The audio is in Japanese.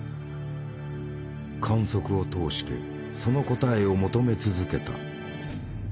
観測を通してその答えを求め続けた。